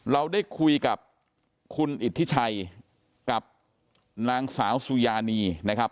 เราได้คุยกับคุณอิทธิชัยกับนางสาวสุยานีนะครับ